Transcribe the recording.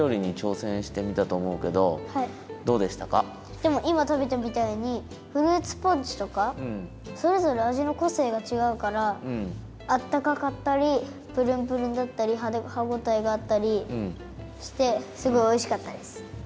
でもいまたべたみたいにフルーツポンチとかそれぞれあじのこせいがちがうからあったかかったりプルンプルンだったりはごたえがあったりしてすごいおいしかったです。